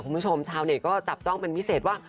คุณผู้ชมชาวเน็ตก็จับจ้องเป็นพิเศษว่า